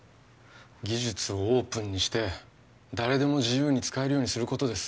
技術をオープンにして誰でも自由に使えるようにすることです